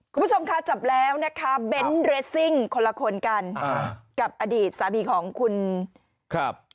คุณผู้ชมคะจับแล้วนะคะเบนท์เรสซิ่งคนละคนกันกับอดีตสามีของคุณครับ